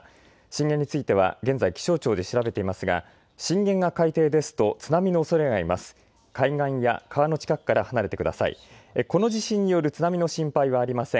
震源については現在、気象庁で調べていますが震源が海底ですと津波のおそれがあります。